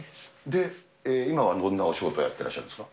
で、今はどんなお仕事をやってらっしゃるんですか。